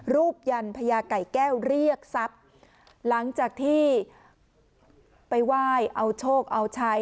ยันพญาไก่แก้วเรียกทรัพย์หลังจากที่ไปไหว้เอาโชคเอาชัย